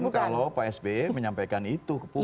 tidak mungkin kalau pak sby menyampaikan itu ke publik